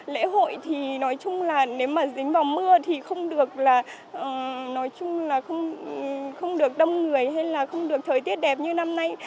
lễ hội thì nói chung là nếu mà dính vào mưa thì không được đông người hay là không được thời tiết đẹp như năm nay